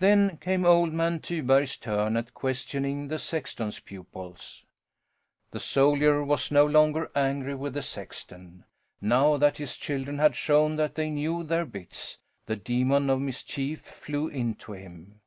Then came old man Tyberg's turn at questioning the sexton's pupils. The soldier was no longer angry with the sexton. Now that his children had shown that they knew their bits, the demon of mischief flew into him.